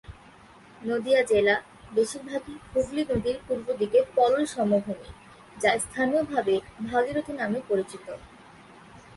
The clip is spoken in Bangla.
নদিয়া জেলা বেশিরভাগই হুগলি নদীর পূর্বদিকে পলল সমভূমি, যা স্থানীয়ভাবে ভাগীরথী নামে পরিচিত।